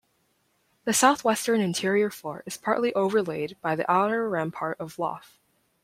The southwestern interior floor is partly overlaid by the outer rampart of Ioffe.